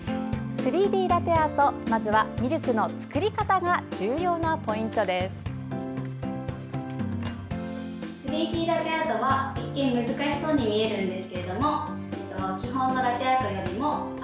３Ｄラテアートまずはミルクの作り方が重要なポイントです。